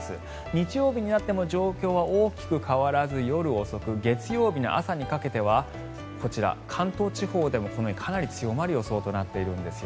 日曜日になっても状況は大きく変わらず夜遅く、月曜日の朝にかけてはこちら、関東地方でもこのようにかなり強まる予想となっているんです。